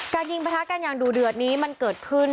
ยิงประทะกันอย่างดูเดือดนี้มันเกิดขึ้น